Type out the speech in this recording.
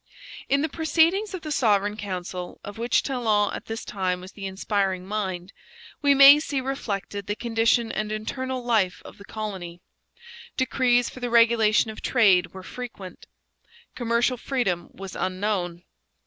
In the proceedings of the Sovereign Council, of which Talon at this time was the inspiring mind, we may see reflected the condition and internal life of the colony. Decrees for the regulation of trade were frequent. Commercial freedom was unknown.